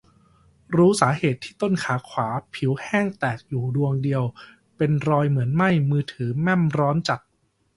รู้สาเหตุที่ต้นขาขวาผิวแห้งแตกอยู่ดวงเดียว เป็นรอยเหมือนไหม้ มือถือแม่มร้อนจัด